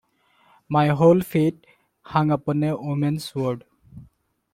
My whole fate hung upon a woman's word.